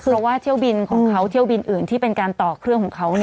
เพราะว่าเที่ยวบินของเขาเที่ยวบินอื่นที่เป็นการต่อเครื่องของเขา